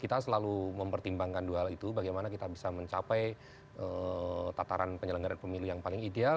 kita selalu mempertimbangkan dua hal itu bagaimana kita bisa mencapai tataran penyelenggaran pemilu yang paling ideal